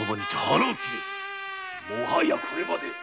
もはやこれまで。